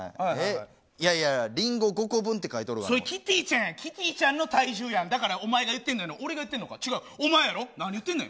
いやいや、それ、キティちゃんや、キティちゃんの体重やん、だからお前が言ってんのか、お前が言ってんのか、違う、お前やろ、何言ってんねん。